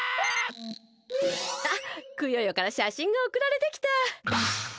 あっクヨヨからしゃしんがおくられてきた。